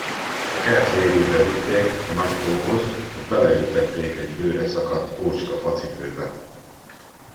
A kert végébe vitték, a nagy tóhoz, ott beleültették egy bőreszakadt, ócska facipőbe.